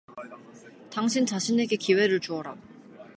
당신 자신에게 기회를 주어라.